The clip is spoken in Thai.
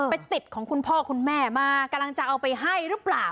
ไปติดของคุณพ่อคุณแม่มากำลังจะเอาไปให้หรือเปล่า